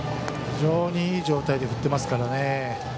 非常にいい状態で振ってますからね。